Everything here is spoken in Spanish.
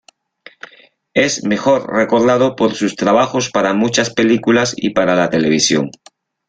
Es mejor recordado por sus trabajos para muchas películas y para la televisión.